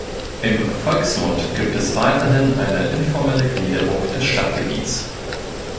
Im Volksmund gibt es weiterhin eine informelle Gliederung des Stadtgebiets.